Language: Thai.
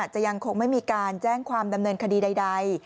จะยังคงไม่มีการแจ้งความดำเนินคดีใด